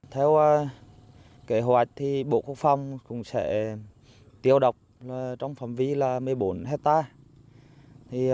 theo kế hoạch bộ quốc phòng cũng sẽ tiêu độc trong phòng vi là một mươi bốn hectare